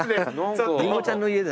りんごちゃんの家だ。